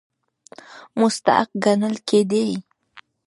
مستحق ګڼل کېدی.